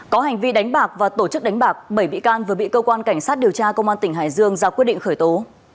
có hành vi đánh bạc và tổ chức đánh bạc bảy bị can vừa bị cơ quan cảnh sát điều tra công an tỉnh hải dương ra quyết định khởi tố